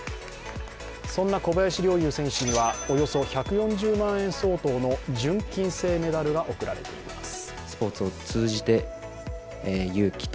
そんな小林陵侑選手には、およそ１４０万円相当の純金製メダルが贈られています。